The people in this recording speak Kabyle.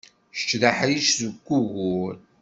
Kečč d aḥric seg ugur.